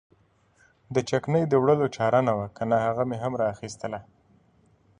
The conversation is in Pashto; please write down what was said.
د چکنۍ د وړلو چاره نه وه کنه هغه مې هم را اخیستله.